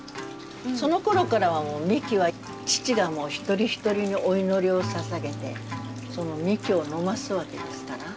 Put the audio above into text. そのころからはみきは父がもう一人一人にお祈りをささげてみきを飲ますわけですから。